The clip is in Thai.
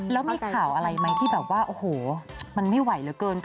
แล้วมีข่าวอะไรไหมที่แบบว่าโอ้โหมันไม่ไหวเหลือเกินค่ะ